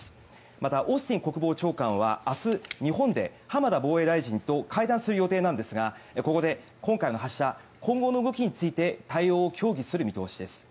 また、オースティン国防長官は明日、日本で浜田防衛大臣と会談する予定なんですがここで今回の発射今後の動きについて対応を協議する見通しです。